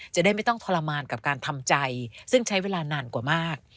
จะได้ไม่ต้องทรมานกับการทำใจซึ่งใช้เวลานานกว่ามาก